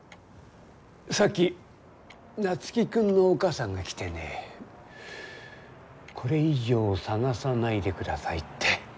さっき夏樹君のお母さんが来てねこれ以上探さないでくださいって。